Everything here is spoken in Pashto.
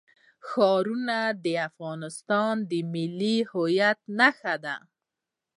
ښارونه د افغانستان د ملي هویت نښه ده.